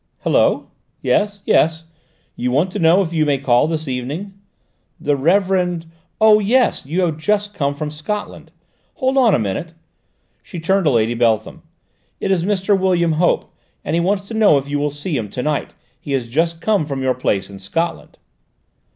"Hullo? Yes ... yes: you want to know if you may call this evening? The Reverend oh, yes: you have just come from Scotland? Hold on a minute." She turned to Lady Beltham. "It is Mr. William Hope, and he wants to know if you will see him to night. He has just come from your place in Scotland."